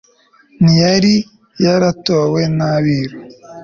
ntiyari yaratowe n'abiru